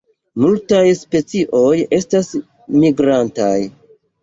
Multaj specioj estas migrantaj.